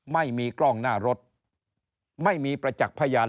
ไม่มีกล้องหน้ารถไม่มีประจักษ์พยาน